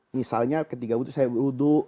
misalnya ketika saya berudu